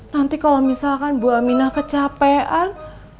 nanti kalau misalkan bu aminah kecapean